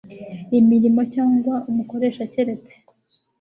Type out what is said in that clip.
imirimo cyangwa umukoresha keretse